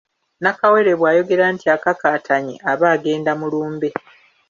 Nakawere bw’ayogera nti akakaatanye aba agenda mu lumbe.